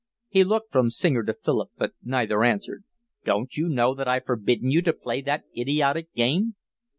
He looked from Singer to Philip, but neither answered. "Don't you know that I've forbidden you to play that idiotic game?"